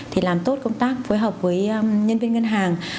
thì làm tốt công tác phối hợp với nhân viên ngân hàng